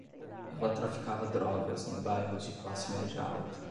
Ela traficava drogas em bairros de classe média alta